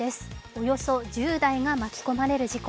およそ１０台が巻き込まれる事故。